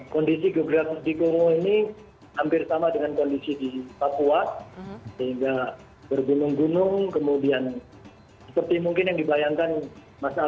kondisi gebra di kongo ini hampir sama dengan kondisi di papua sehingga bergunung gunung kemudian seperti mungkin yang dibayangkan mas aldi mau ke monusco